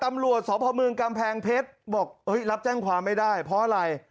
ตำรวจสพเมืองกำแพงเพชรบอกรับแจ้งความไม่ได้เพราะอะไร